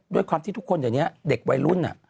ด้วยความที่ทุกคนเดี๋ยวนี้เด็กวัยรุ่น